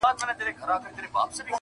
• دا یو څو ورځي ژوندون دی نازوه مي -